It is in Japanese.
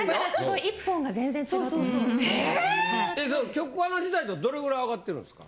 局アナ時代とどれぐらい上がってるんですか？